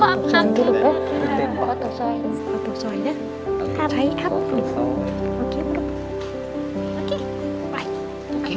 ได้ซ้ายแล้ว